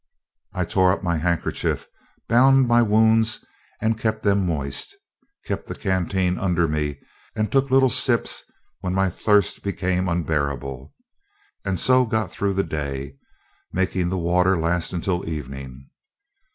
I tore up my handkerchief, bound my wounds, and kept them moist, kept the canteen under me and took little sips when my thirst became unbearable, and so got through the day, making the water last until evening.